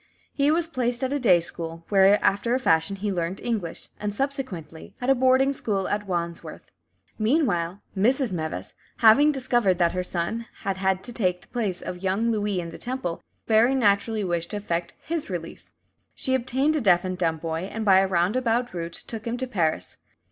He was placed at a day school, where after a fashion he learnt English, and, subsequently, at a boarding school at Wandsworth. Meanwhile, Mrs. Meves having discovered that her son had had to take the place of young Louis in the Temple, very naturally wished to effect his release. She obtained a deaf and dumb boy, and by a roundabout route took him to Paris.